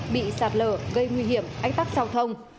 bị sạt lở gây nguy hiểm ách tắc giao thông